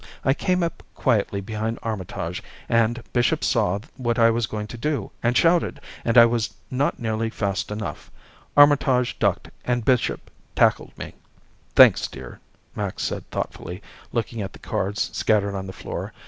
I came up quietly behind Armitage and Bishop saw what I was going to do and shouted and I was not nearly fast enough. Armitage ducked and Bishop tackled me. "Thanks, dear," Max said thoughtfully, looking at the cards scattered on the floor.